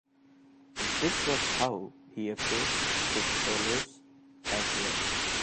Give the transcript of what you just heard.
This was how he approached his solos as well.